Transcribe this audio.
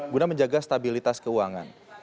guna menjaga stabilitas keuangan